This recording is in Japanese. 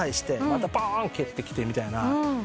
またばーん蹴ってきてみたいな。